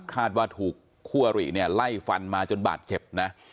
คาดว่าถูกคู่อริเนี่ยไล่ฟันมาจนบาดเจ็บนะ